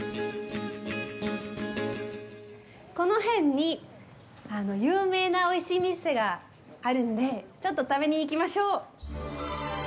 この辺に有名なおいしい店があるんで、ちょっと食べに行きましょう！